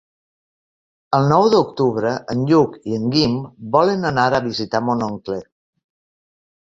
El nou d'octubre en Lluc i en Guim volen anar a visitar mon oncle.